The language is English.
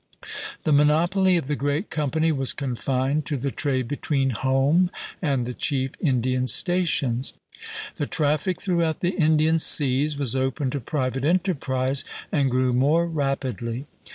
The monopoly of the great company was confined to the trade between home and the chief Indian stations; the traffic throughout the Indian seas was open to private enterprise and grew more rapidly.